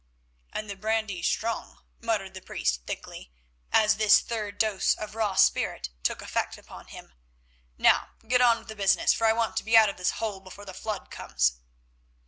"And the brandy strong," muttered the priest thickly, as this third dose of raw spirit took effect upon him. "Now get on with the business, for I want to be out of this hole before the flood comes."